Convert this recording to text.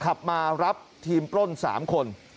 ขับมารับทีมปล้น๓คน